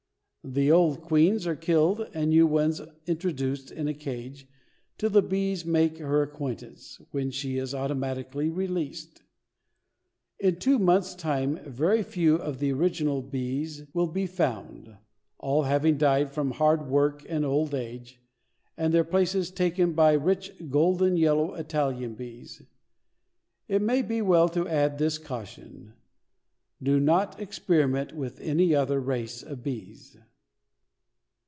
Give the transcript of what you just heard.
The old queens are killed and new ones introduced in a cage till the bees make her acquaintance, when she is automatically released. In two months' time very few of the original bees will be found, all having died from hard work and old age, and their places taken by rich golden yellow Italian bees. It may be well to add this caution, "Do not experiment with any other race of bees."